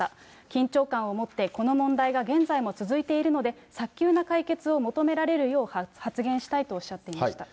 緊張感を持って、この問題が現在も続いているので、早急な解決を求められるよう、発言したいとおっしゃっていました。